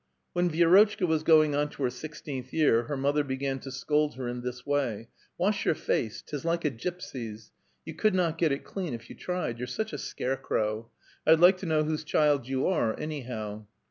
When Vi^rotchka was going on to her sixteenth year, her mother began to scold her in this way: " Wash your face, 'tis like a gypsy's. You could not get it clean, if yon tried ; you're such a scarecrow. I'd like to know whose child you are, anyhow."